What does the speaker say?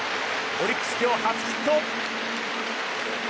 オリックス、今日初ヒット。